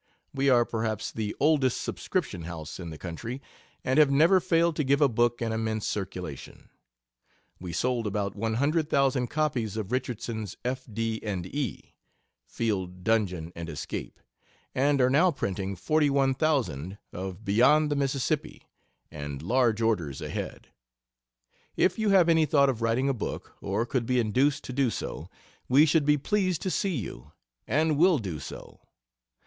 We are perhaps the oldest subscription house in the country, and have never failed to give a book an immense circulation. We sold about 100,000 copies of Richardson's F. D. & E. (Field, Dungeon and Escape) and are now printing 41,000, of "Beyond the Mississippi," and large orders ahead. If you have any thought of writing a book, or could be induced to do so, we should be pleased to see you; and will do so.